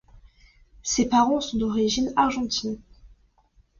Ses parents sont d'origine argentine.